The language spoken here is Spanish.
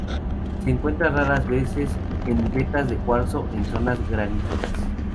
Se encuentra raras veces en vetas de cuarzo en zonas graníticas.